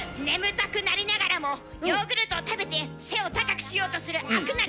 眠たくなりながらもヨーグルトを食べて背を高くしようとする飽く